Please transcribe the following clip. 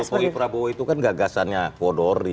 pak jokowi prabowo itu kan gagasannya kodori